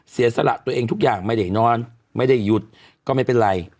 เสียสละตัวเองทุกอย่างไม่ได้นอนไม่ได้หยุดก็ไม่เป็นไร